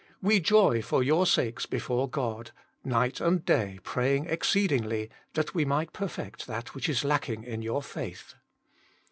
9 :" We joy for your sakes before God; night and day praying exceedingly that we might perfect that which is lacking in your faith."